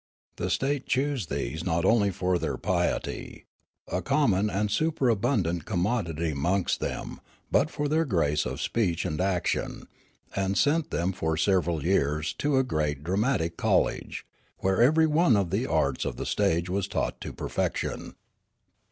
The state chose these not only for their piety, a common and The Church and Journalism 85 superabundant commodity amongst them, but for their grace of speech and action, and sent them for several years to a great dramatic college, where every one of the arts of the stage was taught to perfection.